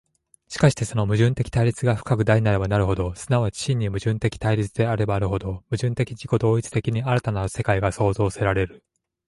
しかしてその矛盾的対立が深く大なればなるほど、即ち真に矛盾的対立であればあるほど、矛盾的自己同一的に新たなる世界が創造せられる。